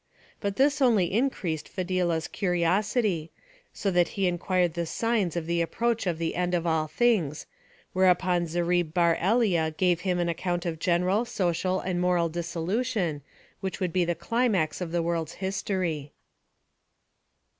But this only increased Fadhilah's curiosity, so that he inquired the signs of the approach of the end of all things, whereupon Zerib Bar Elia gave him an account of general, social, and moral dissolution, which would be the climax of this world's history.